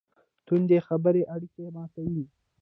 توندې خبرې اړیکې ماتوي.